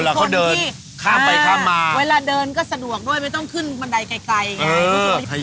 เมื่อเขาเดินข้ามไปข้ามมาเวลาเดินก็สะดวกด้วยไม่ต้องขึ้นบันไดไกลอย่างงั้นทุก